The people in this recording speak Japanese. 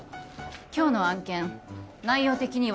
今日の案件内容的には